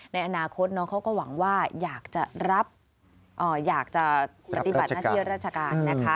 ในอนาคตน้องเขาก็หวังว่าอยากจะรับอยากจะปฏิบัติหน้าที่ราชการนะคะ